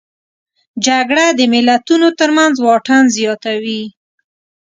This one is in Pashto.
جګړه د ملتونو ترمنځ واټن زیاتوي